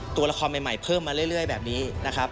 ตัวละครใหม่เพิ่มมาเรื่อยแบบนี้นะครับ